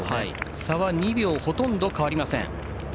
差は２秒ほとんど変わりません。